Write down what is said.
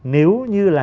nếu như là